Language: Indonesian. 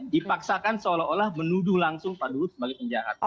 dipaksakan seolah olah menuduh langsung pak luhut sebagai penjahat